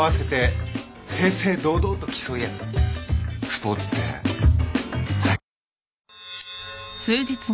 スポーツってさい。